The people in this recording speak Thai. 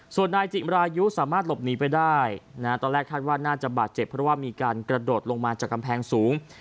ส่วนนายจิมรายุสามารถหลบหนีไปได้ตอนแรกคาดว่าน่าจะบาดเจ็บเพราะว่ามีการกระโดดลงมาจากกำแพงสูง